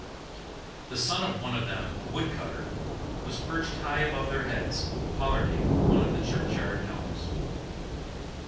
The son of one of them, a wood cutter, was perched high above their heads, pollarding one of the churchyard elms.